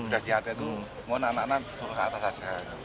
biasanya hati itu mohon anak anak turun ke atas asa